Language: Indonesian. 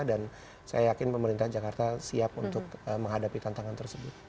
dan saya yakin pemerintah jakarta siap untuk menghadapi tantangan tersebut